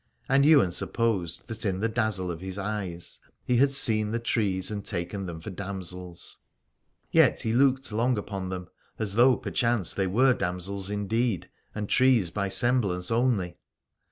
And Ywain supposed that in the dazzle of his eyes he had seen the trees and taken them for damsels : yet he looked long upon them as though perchance they were damsels indeed, and trees by semblance only.